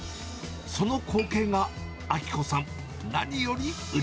その光景が明子さん、お味